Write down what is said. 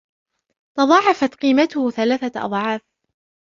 تضاعفت قيمته ثلاثة أضعاف.